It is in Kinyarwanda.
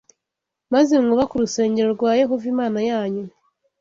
maze mwubake urusengero rwa Yehova Imana yanyu